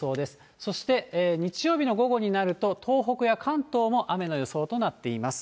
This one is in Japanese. そして日曜日の午後になると、東北や関東も雨の予想となっています。